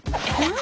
ん？